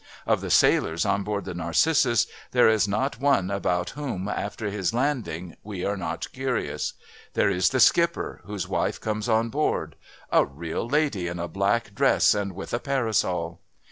Of the sailors on board the Narcissus there is not one about whom, after his landing, we are not curious. There is the skipper, whose wife comes on board, "A real lady, in a black dress and with a parasol."...